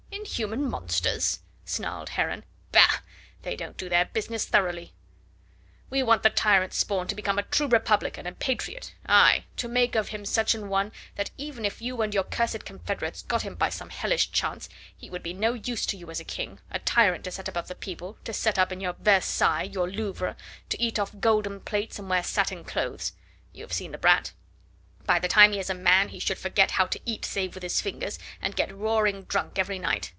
"Inhuman monsters?" snarled Heron. "Bah! they don't do their business thoroughly; we want the tyrant's spawn to become a true Republican and a patriot aye! to make of him such a one that even if you and your cursed confederates got him by some hellish chance, he would be no use to you as a king, a tyrant to set above the people, to set up in your Versailles, your Louvre, to eat off golden plates and wear satin clothes. You have seen the brat! By the time he is a man he should forget how to eat save with his fingers, and get roaring drunk every night.